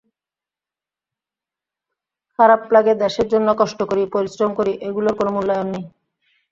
খারাপ লাগে দেশের জন্য কষ্ট করি, পরিশ্রম করি, এগুলোর কোনো মূল্যায়ন নেই।